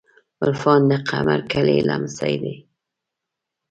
عرفان د قمر ګلی لمسۍ ده.